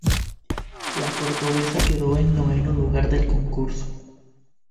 La cordobesa quedó en noveno lugar del concurso.